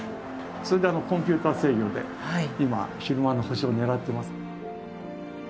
それでコンピューター制御で今昼間の星を狙ってます。